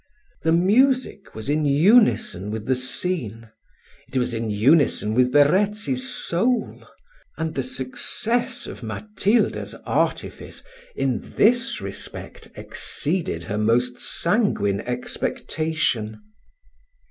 The music was in unison with the scene it was in unison with Verezzi's soul: and the success of Matilda's artifice, in this respect, exceeded her most sanguine expectation.